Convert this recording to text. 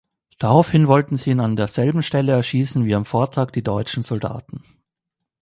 Daraufhin wollten sie ihn an derselben Stelle erschießen wie am Vortag die deutschen Soldaten.